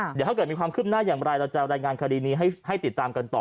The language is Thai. เดี๋ยวถ้าเกิดมีความคืบหน้าอย่างไรเราจะรายงานคดีนี้ให้ติดตามกันต่อ